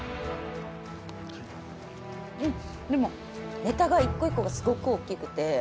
でもネタが一個一個がすごく大きくて。